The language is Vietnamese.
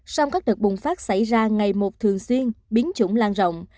song các đợt bùng phát xảy ra ngày một thường xuyên biến chủng lan rộng